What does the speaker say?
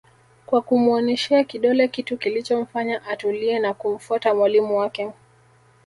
Kwa kumuoneshea kidole kitu kilichomfanya atulie na kumfuata mwalimu wake